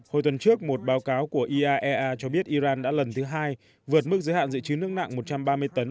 hồi tuần trước một báo cáo của iaea cho biết iran đã lần thứ hai vượt mức giới hạn dự trữ nước nặng một trăm ba mươi tấn